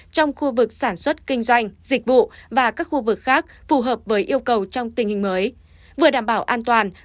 trong khu vực sản xuất kinh doanh dịch vụ và các khu vực khác phù hợp với yêu cầu trong tình hình mới